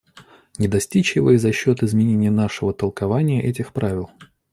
Не достичь его и за счет изменения нашего толкования этих правил.